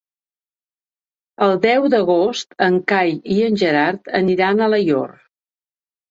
El deu d'agost en Cai i en Gerard aniran a Alaior.